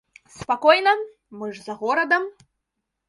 Спакойна, мы ж за горадам!